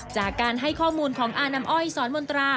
จากการให้ข้อมูลของอาน้ำอ้อยสอนมนตรา